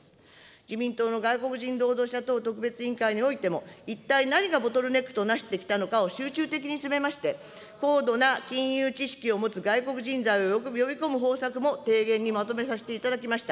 自民党の外国人労働者等特別委員会においても、一体何がボトルネックとなしてきたのかを集中的に詰めまして、高度な金融知識を持つ外国人材を呼び込む方策も提言にまとめさせていただきました。